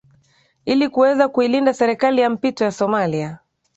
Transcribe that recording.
ili kuweza kuilinda serikali ya mpito ya somalia